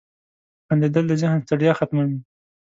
• خندېدل د ذهن ستړیا ختموي.